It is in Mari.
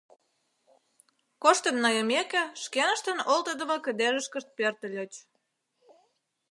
Коштын нойымеке, шкеныштын олтыдымо кыдежышкышт пӧртыльыч.